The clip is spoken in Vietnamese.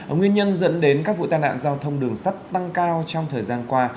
nguyên nhân dẫn đến các vụ tai nạn giao thông đường sắt tăng cao trong thời gian qua